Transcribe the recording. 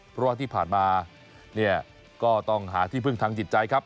เพราะว่าที่ผ่านมาเนี่ยก็ต้องหาที่พึ่งทางจิตใจครับ